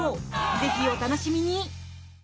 ぜひお楽しみに！